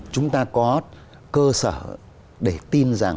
chúng ta có cơ sở để tin rằng